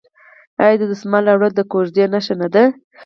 آیا د دسمال راوړل د کوژدې نښه نه ده؟